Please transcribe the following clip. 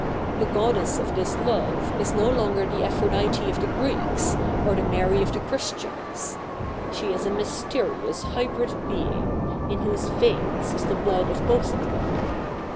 The goddess of this love is no longer the Aphi'odite of the Greeks, or th^ Ma?y of the Christians. She is a ??iysterious hybrid being, 2i6 THE NEW REPUBLIC [hk. iv 171 whose veins is the blood of both of them.